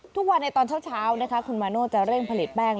ทุกวันในตอนเช้านะคะคุณมาโน่จะเร่งผลิตแป้ง